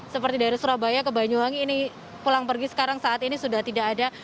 seperti dari surabaya ke banyuwangi ini pulang pergi sekarang saat ini sudah tidak ada